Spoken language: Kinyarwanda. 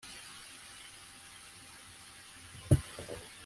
utekereza ko ari nde mwiza, jabo cyangwa alice